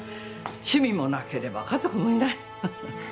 趣味もなければ家族もいない。